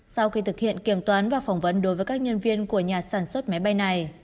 sau khi thực hiện kiểm toán và phỏng vấn đối với các nhân viên của nhà sản xuất máy bay này